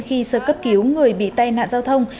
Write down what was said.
khi sơ cấp cứu người bị tai nạn giao thông